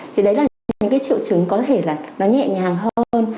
thì đấy là những triệu chứng có thể là nhẹ nhàng hơn